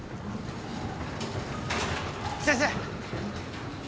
先生！